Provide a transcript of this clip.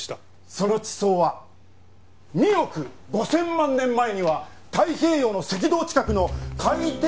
その地層は２億５０００万年前には太平洋の赤道近くの海底だったと言われています。